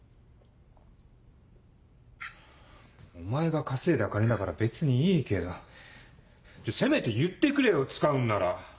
お前が稼いだ金だから別にいいけどせめて言ってくれよ使うんなら。